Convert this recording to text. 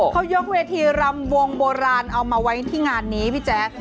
เขายกเวทีรำวงโบราณเอามาไว้ที่งานนี้พี่แจ๊ค